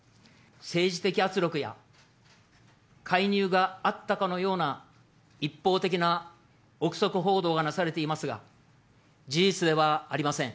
政治的圧力や介入があったかのような一方的な臆測報道がなされていますが、事実ではありません。